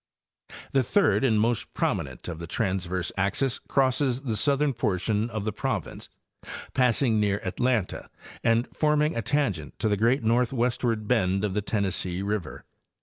The third and most prominent of the transverse axes crosses the southern portion of the province, passing near Atlanta and forming a tangent to the great northwestward bend of the Ten nessee river.